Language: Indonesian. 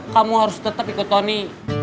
kamu harus tetap ikut tony